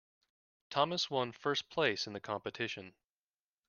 Thomas one first place in the competition.